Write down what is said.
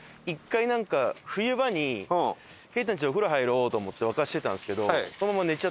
１回なんか冬場に啓太のうちでお風呂入ろうと思って沸かしてたんですけど。